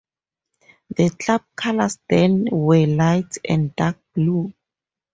The Club colours then were Light and Dark Blue!